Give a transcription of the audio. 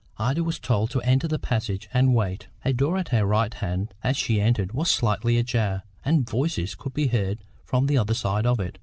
Ida was told to enter the passage, and wait. A door at her right hand as she entered was slightly ajar, and voices could be heard from the other side of it.